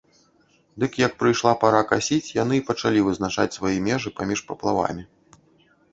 Дык як прыйшла пара касіць, яны і пачалі вызначаць свае межы паміж паплавамі.